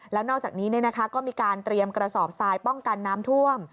แล้วนอกจากนี้ก็มีการเตรียมกระสอบทรายป้องกันน้ำท่วม